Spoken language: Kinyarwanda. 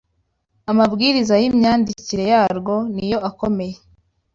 amabwiriza y’imyandikire yarwo niyo akomeye